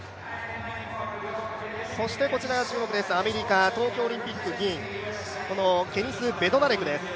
そしてこちらが注目アメリカ、東京オリンピック銀このケニス・ベドナレクです。